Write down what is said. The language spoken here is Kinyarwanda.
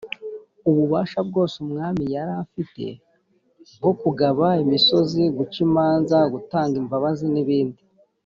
ububasha bwose umwami yari afite nko kugaba imisozi guca imanza gutanga imbabazi n’ibindi